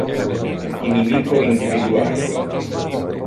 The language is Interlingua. Inimico individuate